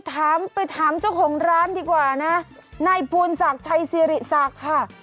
โอ้โฮเอาไปถามเจ้าของร้านดีกว่านะไหนพูนศักดิ์ชัยศิริษักร์ค่ะ